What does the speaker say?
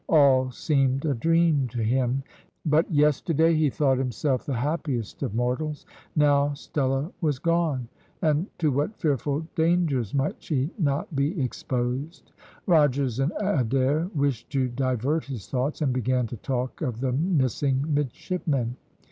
All seemed a dream to him; but yesterday, he thought himself the happiest of mortals. Now Stella was gone, and to what fearful dangers might she not be exposed! Rogers and Adair wished to divert his thoughts, and began to talk of the missing midshipmen.